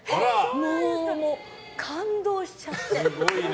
もう、感動しちゃって。